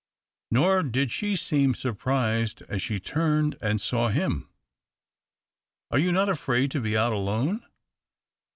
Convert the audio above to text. Nor did she seem surprised as she turned and saw him. " Are you not afraid to be out alone